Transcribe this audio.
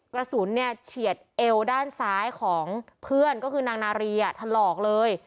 กระสุนเนี่ยเฉียดเอวด้านซ้ายของเพื่อนก็คือนางนารีถลอกเลย